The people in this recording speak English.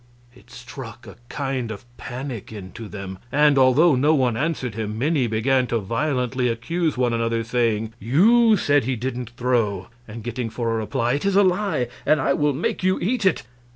It struck a kind of panic into them, and, although no one answered him, many began to violently accuse one another, saying, "You said he didn't throw," and getting for reply, "It is a lie, and I will make you eat it!"